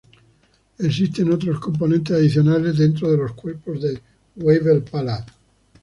Existen otros componentes adicionales dentro de los cuerpos de Weibel-Palade.